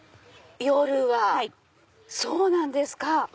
夜はそうなんですか。